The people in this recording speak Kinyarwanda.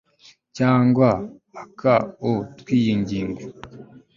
cyangwa aka o tw iyi ngingo